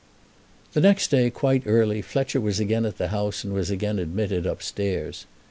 The next day, quite early, Fletcher was again at the house and was again admitted upstairs.